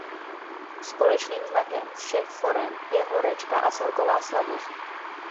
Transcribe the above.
Společným znakem všech forem je horečka a celková slabost.